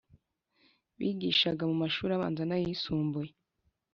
bigishaga mu mashuri abanza nayisumbuye